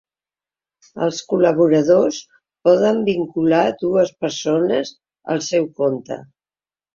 Els col·laboradors poden vincular dues persones al seu compte.